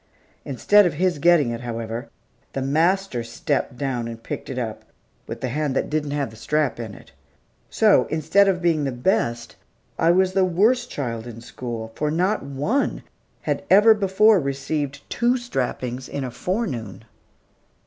Instead of his getting it, however, the master stepped down and picked it up, with the hand that didn't have the strap in it. So, instead of being the best, I was the worst child in school, for not one had ever before received two strappings in a forenoon.